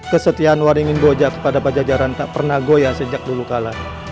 kesetiaan waringin boja kepada pajajaran tak pernah goyah sejak dulu kalah